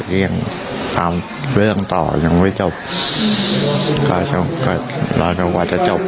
ที่ยังตามเรื่องต่อยังไม่จบก็รอจนกว่าจะจบ